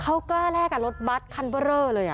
เขาก้าแรกอะรถบัตรคันเบอร์เวอร์เลยนะ